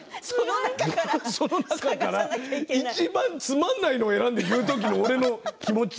その中からいちばんつまらないのを選んで言う俺の気持ち。